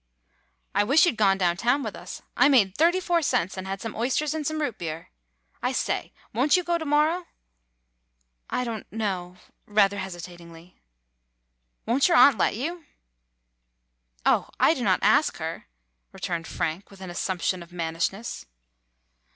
"I wish you 'd gone down town with us. I made thirty four cents, and had some oysters [ 108 ] GONE ASTRAY and some root beer. I say, won't you go to morrow?" "I don't know" — rather hesitatingly. ''Won't your aunt let you?" "Oh! I do not ask her," returned Frank, with an assumption of mannishness.